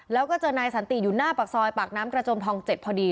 แล้วก็เจอนายสันติอยู่หน้าปากซอยปากน้ำกระจมทอง๗พอดี